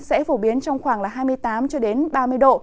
sẽ phổ biến trong khoảng hai mươi tám ba mươi độ